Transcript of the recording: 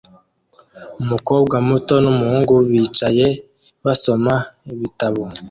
Umukobwa muto n'umuhungu bicaye basoma ibitabo